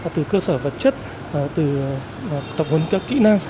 từ cơ sở vật chất từ tập huấn các kỹ năng